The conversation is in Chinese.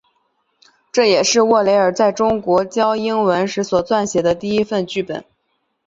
这也是沃雷尔在中国教英文时所撰写的第一份剧本。